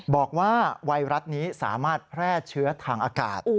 บอกว่าไวรัสนี้สามารถแพร่เชื้อทางอากาศ